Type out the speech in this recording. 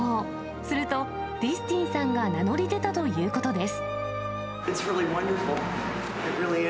すると、ディスティンさんが名乗り出たということです。